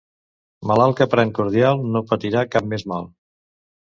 Malalt que pren cordial no patirà cap més mal.